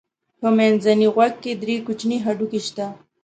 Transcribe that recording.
په منځني غوږ کې درې کوچني هډوکي شته.